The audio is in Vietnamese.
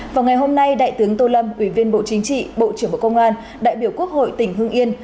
vào ngày hôm nay đại tướng tô lâm ủy viên bộ chính trị bộ trưởng bộ công an đại biểu quốc hội tỉnh hương yên